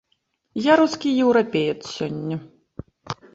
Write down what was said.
Я рускі еўрапеец сёння.